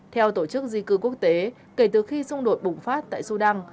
theo tổ chức di cư quốc tế kể từ khi xung đột bùng phát tại sudan